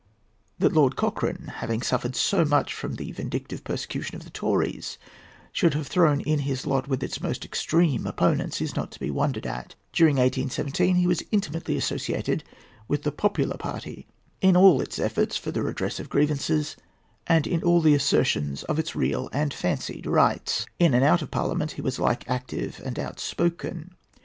That Lord Cochrane, having suffered so much from the vindictive persecution of the Tories, should have thrown in his lot with its most extreme opponents, is not to be wondered at. During 1817 he was intimately associated with the popular party in all its efforts for the redress of grievances and in all the assertions of its real and fancied rights. In and out of Parliament he was alike active and outspoken.